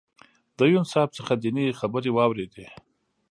د یون صاحب څخه دینی خبرې واورېدې.